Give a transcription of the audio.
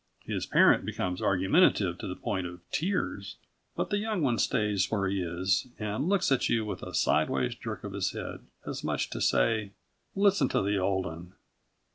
His parent becomes argumentative to the point of tears, but the young one stays where he is and looks at you with a sideways jerk of his head as much as to say: "Listen to the old 'un."